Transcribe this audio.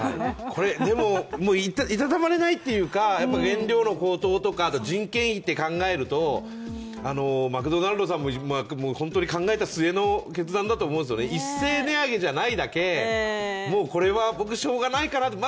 これ、いたたまれないというか原料の高騰とか人件費って考えると、マクドナルドさんも考えた末の決断だと思うんですよね、一斉値上げじゃないだけ、もうこれは、僕、しょうがないかなと。